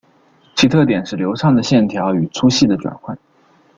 其特点是流畅的线条与粗细的转换。